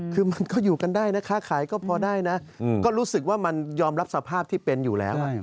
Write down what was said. คือมันก็อยู่กันได้นะคะขายก็พอได้นะก็รู้สึกว่ามันยอมรับสภาพที่เป็นอยู่แล้ว